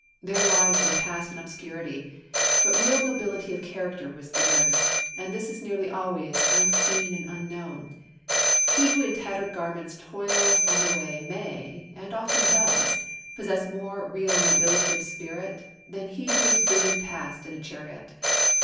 Their lives were passed in obscurity, but real nobility of character was theirs, and this is nearly always unseen and unknown. He who in tattered garments toils on the way may, and often does, possess more real nobility of spirit than he who is driven past in a chariot.